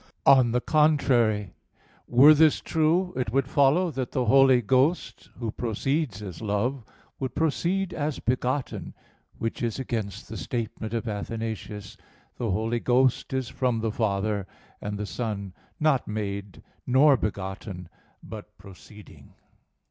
On the contrary, Were this true, it would follow that the Holy Ghost Who proceeds as love, would proceed as begotten; which is against the statement of Athanasius: "The Holy Ghost is from the Father and the Son, not made, nor begotten, but proceeding."